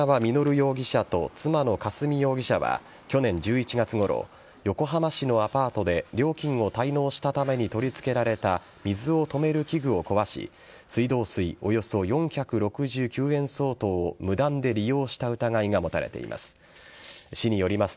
容疑者と妻の香澄容疑者は去年１１月ごろ横浜市のアパートで料金を滞納したために取り付けられた水を止める器具を壊し水道水およそ４６９円相当を無断で利用した疑いが持たれています。